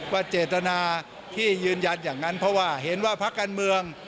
เจตนาที่ยืนยันอย่างนั้นเพราะว่าเห็นว่าพักการเมือง